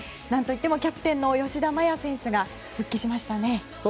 何といってもキャプテンの吉田麻也選手が復帰しましたね。